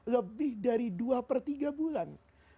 lebih dari dua per tiga bulan